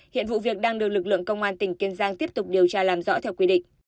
hiện vụ việc đang được lực lượng công an tỉnh kiên giang tiếp tục điều tra làm rõ theo quy định